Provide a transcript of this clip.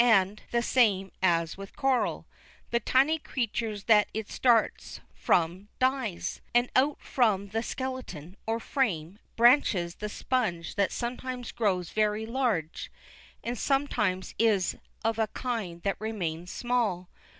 And the same as with coral, the tiny creature that it starts from dies, and out from the skeleton, or frame, branches the sponge that sometimes grows very large, and sometimes is of a kind that remains small.